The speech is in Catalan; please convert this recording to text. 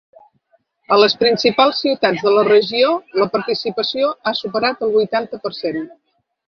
A les principals ciutats de la regió la participació ha superat el vuitanta per cent.